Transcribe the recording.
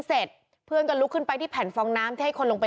เสร็จเพื่อนก็ลุกขึ้นไปที่แผ่นฟองน้ำที่ให้คนลงไป